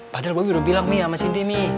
padahal bobby udah bilang mi sama cindy mi